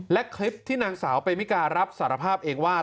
และคลิปที่นางสาวเปมิการับสารภาพเองว่า